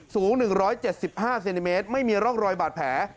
สูง๑๗๕เซนติเมตรไม่มีร่องรอยบาดแผล